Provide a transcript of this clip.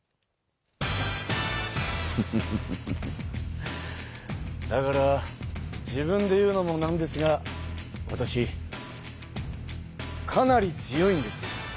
フフフフフだから自分で言うのもなんですがわたしかなり強いんです。